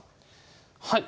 はい。